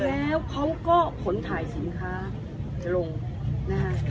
แล้วเขาก็ขนถ่ายสินค้าจะลงนะคะ